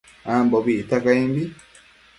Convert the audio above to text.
Ambobi icta caimbi